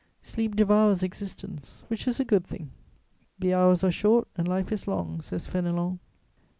Sleep devours existence, which is a good thing: "The hours are short and life is long," says Fénelon.